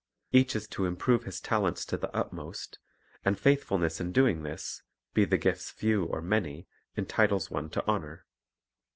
Each is to improve his talents to the utmost; and faithfulness in doing this, be the gifts few or many, entitles one to honor.